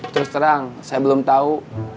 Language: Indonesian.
terus terang saya belum tahu